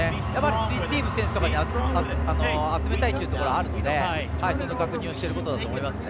スティーブ選手とかに集めたいと思うのでその確認をしているところだと思いますね。